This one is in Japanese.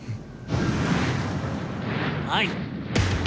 「はい！」。